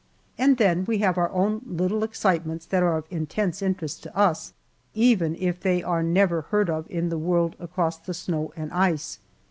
And then we have our own little excitements that are of intense interest to us, even if they are never heard of in the world across the snow and ice.